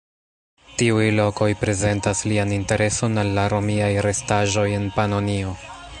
Tiuj lokoj prezentas lian intereson al la romiaj restaĵoj en Panonio.